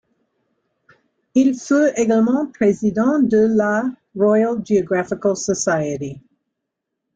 Il fut également président de la Royal Geographical Society.